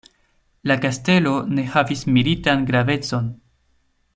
La kastelo ne havis militan gravecon.